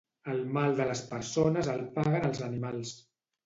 El mal de les persones el paguen els animals.